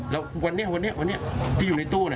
แล้ววันนี้ที่อยู่ในตู้น่ะ